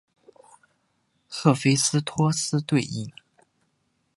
赫菲斯托斯对应。